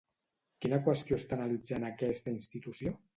Quina qüestió està analitzant aquesta institució?